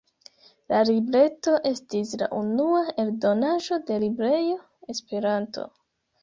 La libreto estis la unua eldonaĵo de librejo “Esperanto”.